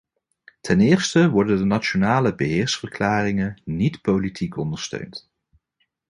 Ten eerste worden de nationale beheersverklaringen niet politiek ondersteund.